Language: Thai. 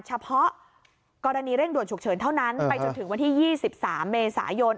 เฉพาะกรณีเร่งด่วนฉุกเฉินเท่านั้นไปจนถึงวันที่๒๓เมษายน